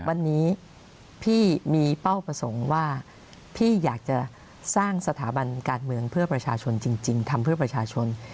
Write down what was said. วันนี้พี่มีเป้าประสงค์ว่าพี่อยากจะสร้างสถาบันการเมืองเพื่อประชาชนจริงทำเพื่อประชาชน